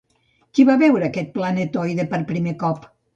Qui va veure aquest planetoide per primer cop?